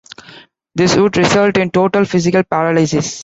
This would result in total physical paralysis.